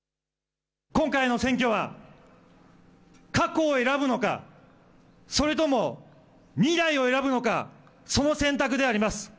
今回の選挙は過去を選ぶのか、それとも未来を選ぶのか、その選択であります。